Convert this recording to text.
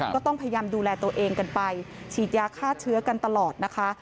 ก็ต้องพยายามดูแลตัวเองกันไปฉีดยาฆ่าเชื้อกันตลอดนะคะ